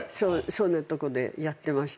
そんなとこでやってまして。